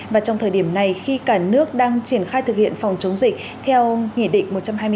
và trong thời điểm này khi cả nước đang triển khai thực hiện phòng chống dịch theo nghị định một trăm hai mươi